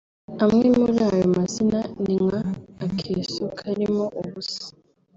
Amwe muri ayo mazina ni nka akeso karimo ubusa